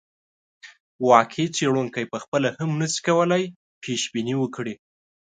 واقعي څېړونکی پخپله هم نه شي کولای پیشبیني وکړي.